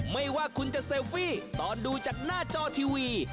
ไม่ว่าคุณจะเซลฟี่ตอนดูจากหน้าจอทีวี